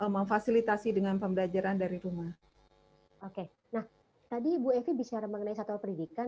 memfasilitasi dengan pembelajaran dari rumah oke nah tadi ibu evi bicara mengenai satu pendidikan